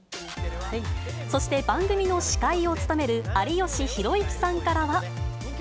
そして、番組の司会を務める有吉弘行さんからは。